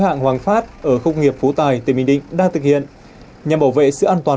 hạng hoàng phát ở công nghiệp phú tài tỉnh bình định đang thực hiện nhằm bảo vệ sự an toàn